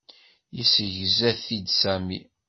Yessegza-t-id Sami.